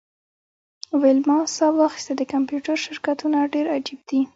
ویلما ساه واخیسته د کمپیوټر شرکتونه ډیر عجیب دي